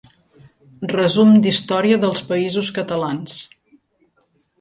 Resum d'Història dels països catalans.